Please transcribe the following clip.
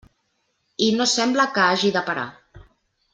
I no sembla que hagi de parar.